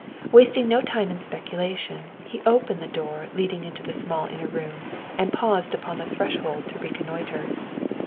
Wasting no time in speculation, he opened the door leading into the small inner room and paused upon the threshold to reconnoitre.